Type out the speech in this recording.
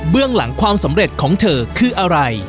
หลังความสำเร็จของเธอคืออะไร